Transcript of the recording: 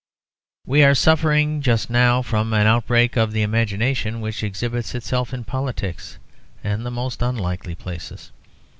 We are suffering just now from an outbreak of the imagination which exhibits itself in politics and the most unlikely places.